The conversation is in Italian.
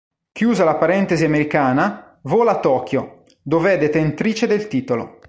Chiusa la parentesi americana, vola a Tokyo, dove è detentrice del titolo.